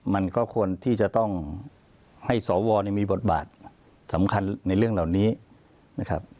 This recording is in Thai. มันก็ควรที่จะต้องให้สวมีบทบาทสำคัญในเรื่องเหล่านี้นะครับ